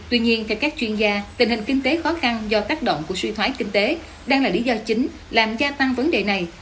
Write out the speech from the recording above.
tuy nhiên theo các chuyên gia tình hình kinh tế khó khăn do tác động của suy thoái kinh tế đang là lý do chính làm gia tăng vấn đề này